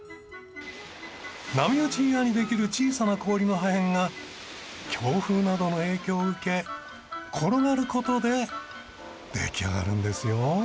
波打ち際にできる小さな氷の破片が強風などの影響を受け転がる事で出来上がるんですよ。